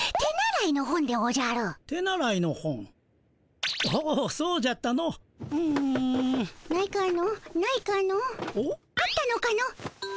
おっ？あったのかの？